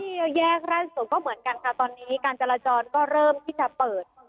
ที่แยกร่าสสมก็เหมือนกันตอนนี้การจัดลจอดเริ่มที่จะเปิด